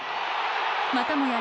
またもや